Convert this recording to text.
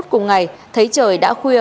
cùng ngày thấy trời đã khuya